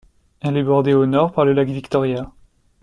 Elle est bordée au nord par le lac Victoria.